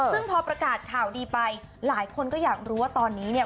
ซึ่งพอประกาศข่าวดีไปหลายคนก็อยากรู้ว่าตอนนี้เนี่ย